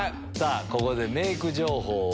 ここでメイク情報。